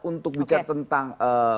untuk bicara tentang